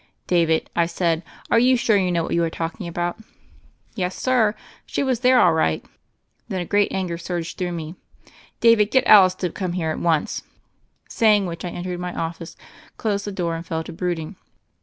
"David," I said, "are you sure you know what you are talking about?" "Yes, sir; she was there all right." Then a great anger surged through me. "David, get Alice Morrow to come here at once." Saying which I entered my office, closed the door, and fell to brooding.